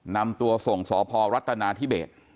นำตัวส่งสพรัฐนาธิเบส